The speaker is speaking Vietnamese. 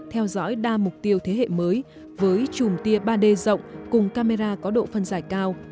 theo dõi đa mục tiêu thế hệ mới với chùm tia ba d rộng cùng camera có độ phân giải cao